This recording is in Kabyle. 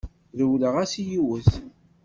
Rewleɣ-as i yiwet.